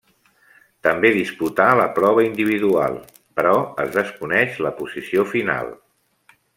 També disputà la prova individual, però es desconeix la posició final.